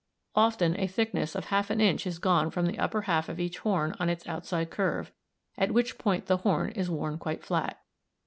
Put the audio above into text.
Often a thickness of half an inch is gone from the upper half of each horn on its outside curve, at which point the horn is worn quite flat.